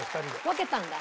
分けたんだ？